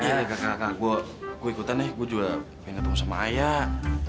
iya kakak gua ikutan ya gua juga ingin ketemu sama ayah